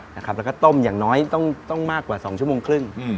แล้วก็ต้มอย่างน้อยต้องมากกว่า๒ชั่วโมงครึ่ง